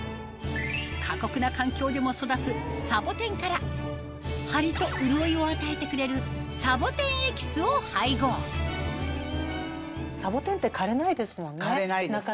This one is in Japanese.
過酷な環境でも育つサボテンからハリと潤いを与えてくれるサボテンエキスを配合サボテンって枯れないですもんねなかなかね。